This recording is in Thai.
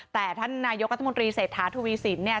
แต่ท่านนายกรัฐมนตรีเศรษฐาทวีสินเนี่ย